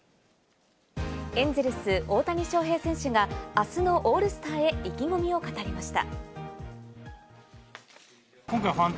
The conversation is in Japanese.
エンゼルス・大谷翔平選手があすのオールスターへ意気込みを語りました。